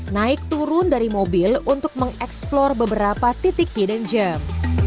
naik turun dari mobil untuk mengeksplor beberapa titik hidden gem